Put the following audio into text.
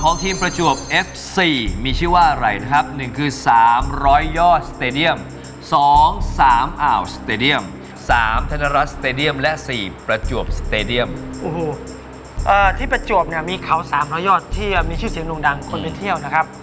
คนทีมเยือนเนี่ยมาดูแล้วอุ๊ยน่ากลัวเนี่ย